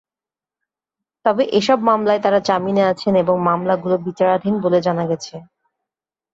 তবে এসব মামলায় তাঁরা জামিনে আছেন এবং মামলাগুলো বিচারাধীন বলে জানা গেছে।